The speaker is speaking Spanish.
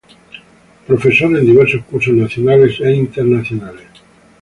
Profesor en diversos cursos nacionales e internacionales.